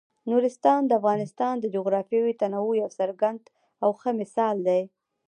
نورستان د افغانستان د جغرافیوي تنوع یو څرګند او ښه مثال دی.